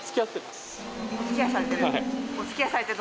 お付き合いされてる。